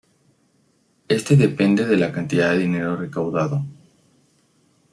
Este depende de la cantidad de dinero recaudado.